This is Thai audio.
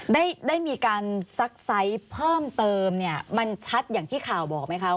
ได้ได้มีการซักไซส์เพิ่มเติมเนี่ยมันชัดอย่างที่ข่าวบอกไหมคะ